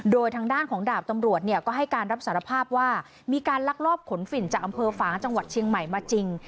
โดยทางด้านของดาบตำรวจเนี่ยก็ให้การรับสารภาพว่ามีการลักลอบขนฝิ่นจากอำเภอฝางจังหวัดเชียงใหม่มาจริง